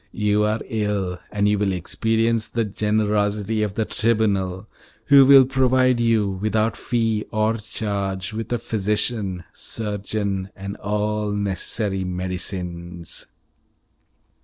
You are ill, and you will experience the generosity of the Tribunal who will provide you, without fee or charge, with a physician, surgeon, and all necessary medicines."